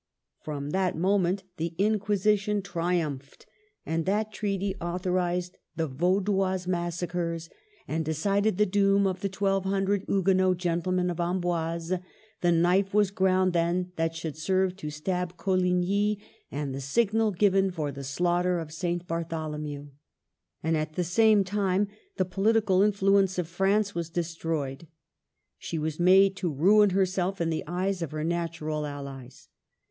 From that moment the Inquisition triumphed; that treaty authorized the Vaudois 256 MARGARET OF ANGOULEME. massacres, and decided the doom of the twelve hundred Huguenot gentlemen of Amboise; the knife was ground then that should serve to stab Coligny, and the signal given for the slaughter of St. Bartholomew. And at the same time the political influence of France was destroyed. She was made to ruin herself in the eyes of her natural allies.